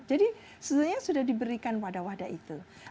jadi sebenarnya sudah diberikan wadah wadah itu